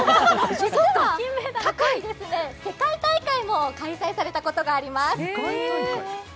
実は過去に世界大会も開催されたことがあります。